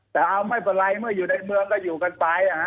แต่เอาไม่เป็นไรเมื่ออยู่ในเมืองก็อยู่กันไป